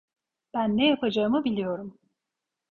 Ben ne yapacağımı biliyorum.